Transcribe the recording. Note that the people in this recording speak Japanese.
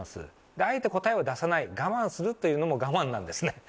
あえて答えを出さない、我慢するというのも我慢なんですね。